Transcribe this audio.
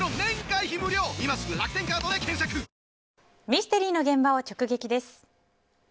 ミステリーの現場を直撃です。